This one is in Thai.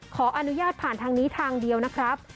ขออนุญาตผ่านทางนี้ทางเดียวนะครับ